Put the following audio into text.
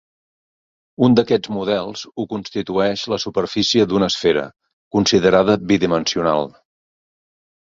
Un d'aquests models ho constitueix la superfície d'una esfera, considerada bidimensional.